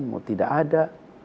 mau tidak ada